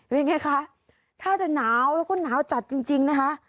ยังไงคะถ้าจะหนาวแล้วก็หนาวจัดจริงนะคะ